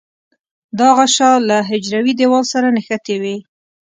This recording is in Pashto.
دا غشا له حجروي دیوال سره نښتې وي.